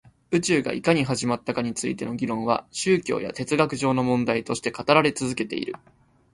宇宙がいかに始まったかについての議論は宗教や哲学上の問題として語られて続けている